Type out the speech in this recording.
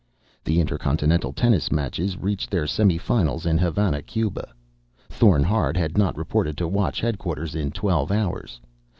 The inter continental tennis matches reached their semi finals in Havana, Cuba. Thorn Hard had not reported to Watch headquarters in twelve hours.